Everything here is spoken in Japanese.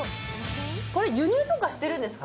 これ輸入してるんですか